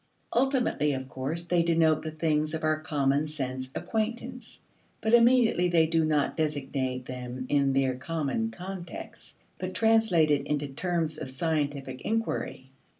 Ultimately, of course, they denote the things of our common sense acquaintance. But immediately they do not designate them in their common context, but translated into terms of scientific inquiry.